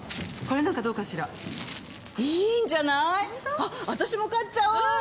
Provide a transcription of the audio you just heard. あっ私も買っちゃおう！